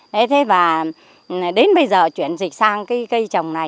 đấy thế và đến bây giờ chuyển dịch sang cây trồng này